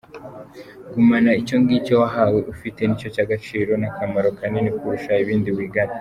Gumana icyongicyo wahawe ufite nicyo cy’agaciro n’akamaro kanini kurusha ibindi wigana.